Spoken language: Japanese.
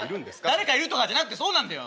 誰かいるとかじゃなくてそうなんだよ。